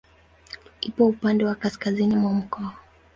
Ipo upande wa kaskazini mwa mkoa.